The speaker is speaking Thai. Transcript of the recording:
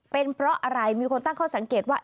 เป็นเพราะอะไรมีคนตั้งข้อสังเกตว่า